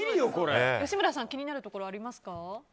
吉村さん気になるところありますか？